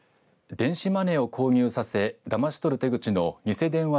電子マネーを購入させだまし取る手口の偽電話